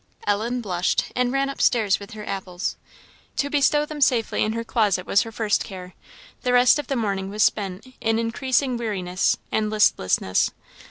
Ellen blushed, and ran up stairs with her apples. To bestow them safely in her closet was her first care; the rest of the morning was spent in increasing weariness and listlessness.